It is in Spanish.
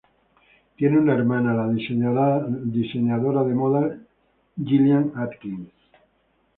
Tiene una hermana, la diseñadora de modas Jillian Atkins.